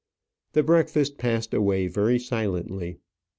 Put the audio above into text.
The breakfast passed away very silently.